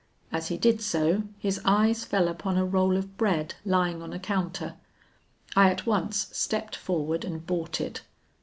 As he did so, his eyes fell upon a roll of bread lying on a counter. I at once stepped forward and bought it.